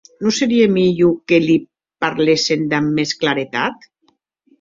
Non serie mielhor que li parléssetz damb mès claretat?